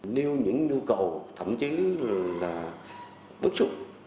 nêu những nhu cầu thậm chí là bất xúc